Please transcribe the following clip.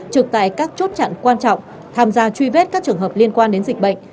trực tại các chốt chặn quan trọng tham gia truy vết các trường hợp liên quan đến dịch bệnh